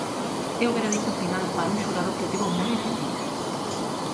É o veredicto final para un xurado que o tivo moi difícil.